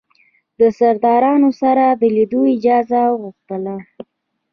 د سردارانو سره د لیدلو اجازه وغوښتل.